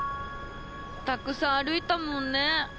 たくさん歩いたもんね。